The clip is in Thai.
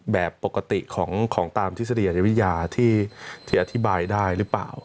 แบบปกติของตามทฤษฎีอาจจะวิทยาที่อธิบายได้หรือเปล่า